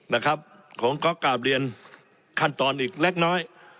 นะครับผมก็กลับเรียนขั้นตอนอีกเล็กน้อย